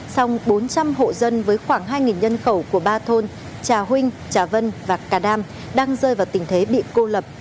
sông bốn trăm linh hộ dân với khoảng hai nhân khẩu của ba thôn trà vinh trà vân và cà đam đang rơi vào tình thế bị cô lập